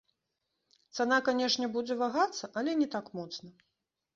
Цана, канешне, будзе вагацца, але не так моцна.